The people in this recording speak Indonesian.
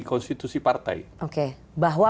konstitusi partai oke bahwa